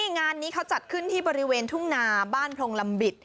งานนี้เขาจัดขึ้นที่บริเวณทุ่งนาบ้านพรงลำบิด